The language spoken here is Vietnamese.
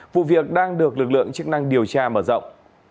vụ việc đang được lực lượng chức năng điều tra mở rộng